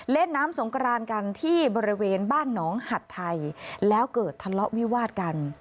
เล่นน้ำสงกรานกันที่บริเวณบ้านหนองหัดไทยแล้วเกิดทะเลาะวิวาดกัน